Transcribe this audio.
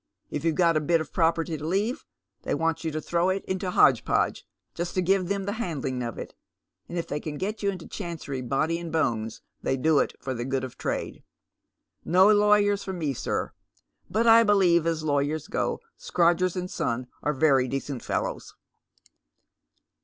If you've got a bit of property to leave, they wants you to throw it into hodge podge, just to give them the 'andling of it, and if they can get you into Cliancery body and bones, they do it, for the good of trade. No lawyers for me, sir, but I believe as lawyers go, Scrodgers and Son are very decent fellows."